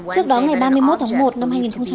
trước đó ngày ba mươi một tháng một năm hai nghìn hai mươi